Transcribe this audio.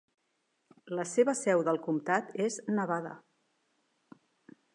La seva seu del comtat és Nevada.